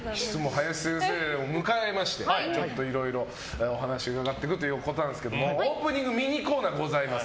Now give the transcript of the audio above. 林先生を迎えましていろいろお話を伺っていくということですがオープニングミニコーナーございます。